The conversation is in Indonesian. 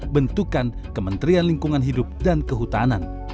bentukan kementerian lingkungan hidup dan kehutanan